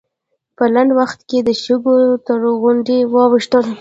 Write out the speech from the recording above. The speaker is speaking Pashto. په لنډ وخت کې د شګو تر غونډۍ واوښتل.